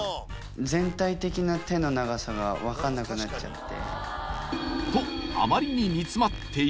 全体的な手の長さが分かんなくなっちゃって。